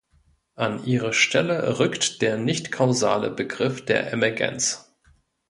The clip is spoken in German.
An ihre Stelle rückt der nicht-kausale Begriff der Emergenz.